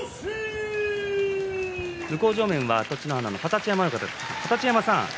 向正面は栃乃花の二十山親方です。